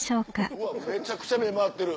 うわめちゃくちゃ目回ってる。